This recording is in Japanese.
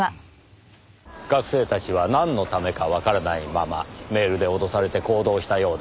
学生たちはなんのためかわからないままメールで脅されて行動したようですねぇ。